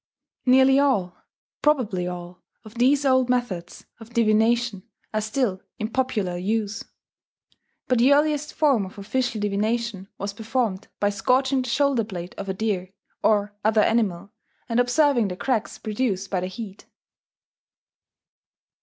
Nearly all probably all of these old methods of divination are still in popular use. But the earliest form of official divination was performed by scorching the shoulder blade of a deer, or other animal, and observing the cracks produced by the heat.